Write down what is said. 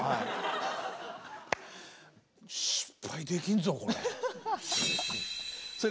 失敗できんぞこれ。